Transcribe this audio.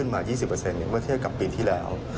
ไม่เที่ยบกับปีที่แล้ว